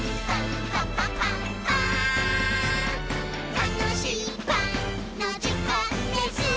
「たのしいパンのじかんです！」